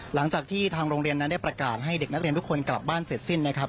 หลังจากที่ทางโรงเรียนนั้นได้ประกาศให้เด็กนักเรียนทุกคนกลับบ้านเสร็จสิ้นนะครับ